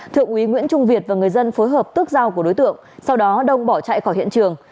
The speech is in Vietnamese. thượng úy nguyễn trung việt và người dân phối hợp tức dao của đối tượng sau đó đông bỏ chạy khỏi hiện trường